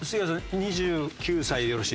２９歳でよろしいですか？